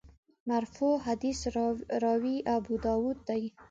مرفوع حدیث راوي ابوداوود دی.